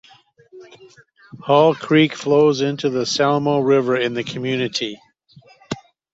Hall Creek flows into the Salmo River in the community.